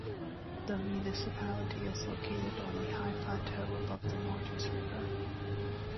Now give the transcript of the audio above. The municipality is located on a high plateau above the Morges river.